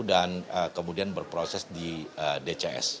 dan kemudian berproses di dcs